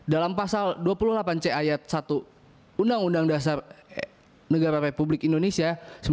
dalam pasal dua puluh delapan c ayat satu undang undang dasar negara republik indonesia seribu sembilan ratus empat puluh lima